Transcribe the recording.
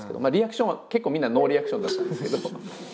まあリアクションは結構みんなノーリアクションだったんですけど。